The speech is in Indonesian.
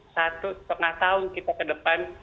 satu setengah tahun kita ke depan